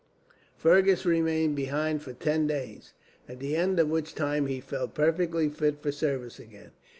Fergus remained behind for ten days, at the end of which time he felt perfectly fit for service again.